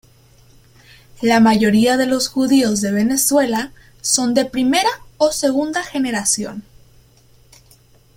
La mayoría de los judíos de Venezuela son de primera o segunda generación.